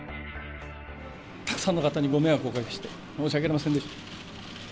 たくさんの方にご迷惑をおかけして、申し訳ありませんでした。